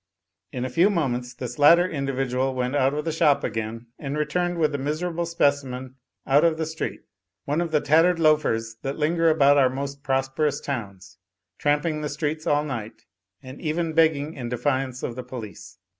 In a few moments, this latter individual went out of the shop again and returned with a miserable specimen out of the street, one of the tat tered loafers that linger about our most prosperous towns, tramping the streets all night and even begging in defiance of the police.